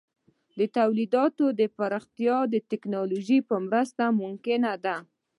د تولیداتو پراختیا د ټکنالوژۍ په مرسته ممکنه ده.